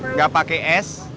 nggak pakai es